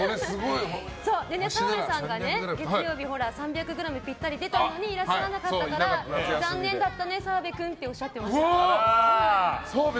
澤部さんが月曜日３００ｇぴったり出たのにいらっしゃらなかったから残念だったね、澤部君っておっしゃってました。